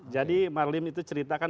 jadi marlim itu cerita kan